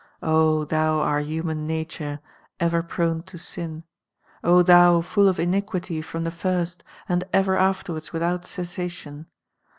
O thou our human nature, ever prone to sin ! C thou, full of iniquity froni the first and ever afterwards without cessatior.